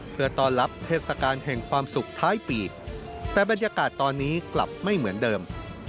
เพื่อต้อนรับเทศกาลแห่งความสุขท้ายปีแต่บรรยากาศตอนนี้กลับไม่เหมือนเดิม